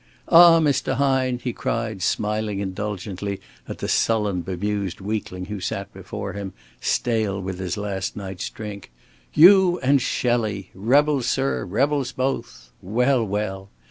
"Ah, Mr. Hine," he cried, smiling indulgently at the sullen, bemused weakling who sat before him, stale with his last night's drink. "You and Shelley! Rebels, sir, rebels both! Well, well!